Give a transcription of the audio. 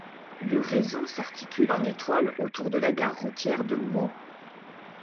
Le réseau s'articule en étoile autour de la gare routière de Meaux.